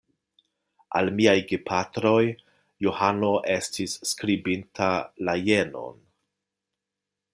Al miaj gepatroj Johano estis skribinta la jenon: